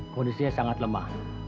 kondisinya sangat lemah